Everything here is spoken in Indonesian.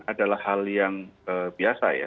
adalah hal yang biasa ya